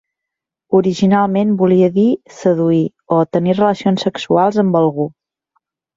Originalment volia dir "seduir" o "tenir relacions sexuals amb algú".